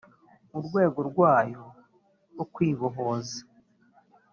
urwego rwayo rwo kwibohoza